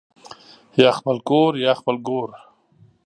یا خپل کورریا خپل ګور